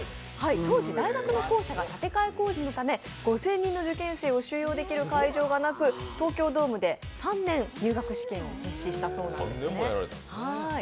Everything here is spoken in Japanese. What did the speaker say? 当時、大学の校舎が建て替え工事のため、５０００人の受験生を収容できる会場がなく東京ドームで３年、入学試験を実施したそうなんですね。